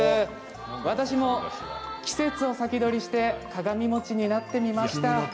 私も季節を先取りして鏡餅になってみました。